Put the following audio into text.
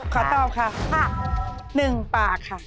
ขอตอบค่ะห้ามหนึ่งปากค่ะ